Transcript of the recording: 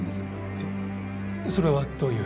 えっそれはどういう？